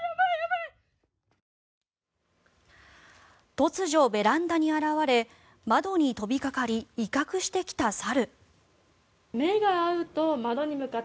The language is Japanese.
突如、ベランダに現れ窓に飛びかかり威嚇してきた猿。